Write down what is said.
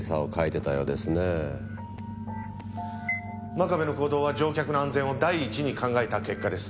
真壁の行動は乗客の安全を第一に考えた結果です。